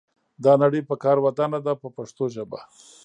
دا نړۍ په کار ودانه ده په پښتو ژبه.